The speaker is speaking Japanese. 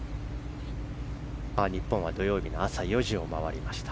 日本は土曜日の朝４時を回りました。